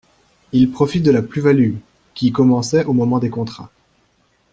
Il profite de la plus-value, qui commençait au moment des contrats.